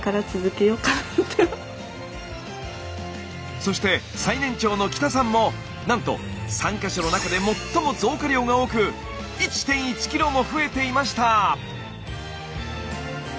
そして最年長の北さんもなんと参加者の中で最も増加量が多く１．１ｋｇも増えていました！